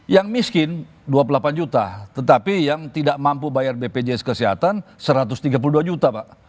yang miskin dua puluh delapan juta tetapi yang tidak mampu bayar bpjs kesehatan satu ratus tiga puluh dua juta pak